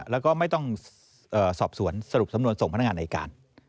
แล้วก็ไม่ต้องสอบสวนสรุปสำนวนส่งพนักงานอายการ